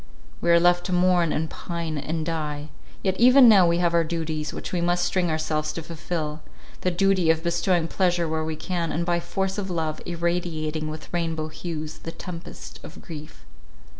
We are left to mourn, and pine, and die. Yet even now we have our duties, which we must string ourselves to fulfil: the duty of bestowing pleasure where we can, and by force of love, irradiating with rainbow hues the tempest of grief.